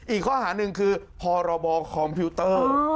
อีกข้อหาหนึ่งคือพรบคอมพิวเตอร์